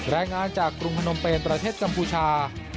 และงานจากกรุงภนมเปรนประเทศจำพูชา